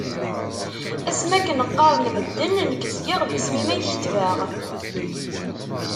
Asmi akken qqaren medden, nekk zgiɣ d isem-im ay kettbeɣ.